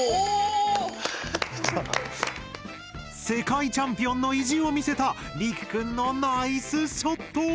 世界チャンピオンの意地を見せたりくくんのナイスショット！